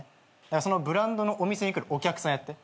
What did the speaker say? そのブランドのお店に来るお客さんやって。